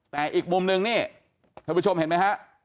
แต่อีกมุมนึงเนี่ยเพื่อนผู้ชมเห็นมั้ยฮะ